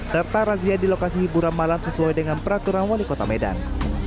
serta razia di lokasi hiburan malam sesuai dengan peraturan wali kota medan